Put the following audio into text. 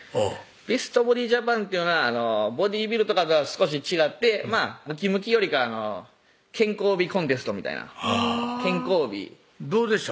ベストボディジャパンというのはボディビルとかとは少し違ってムキムキよりか健康美コンテストみたいな健康美どうでした？